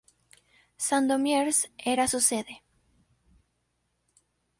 Sandomierz era su sede.